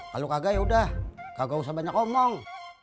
kalo kagak yaudah kagak usah banyak omong